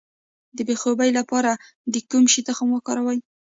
د بې خوبۍ لپاره د کوم شي تخم وکاروم؟